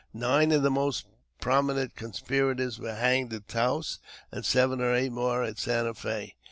Nine of the most prominent conspirators were hanged at Taos, and seven or eight more at Santa F6.